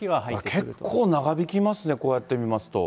結構、長引きますね、こうやって見ますと。